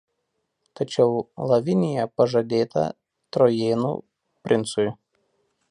Tačiau Lavinija pažadėta trojėnų princui.